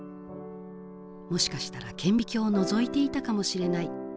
もしかしたら顕微鏡をのぞいていたかもしれない。